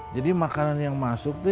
jadi makanan yang masuk